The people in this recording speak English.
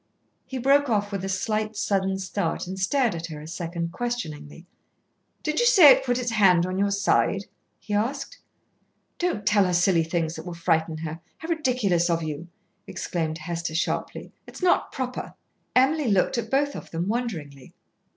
He broke off with a slight sudden start and stared at her a second questioningly. "Did you say it put its hand on your side?" he asked. "Don't tell her silly things that will frighten her. How ridiculous of you," exclaimed Hester sharply. "It's not proper." Emily looked at both of them wonderingly.